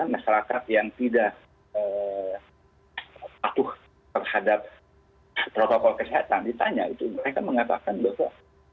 masyarakat yang tidak patuh terhadap protokol kesehatan ditanya itu mereka mengatakan bahwa kok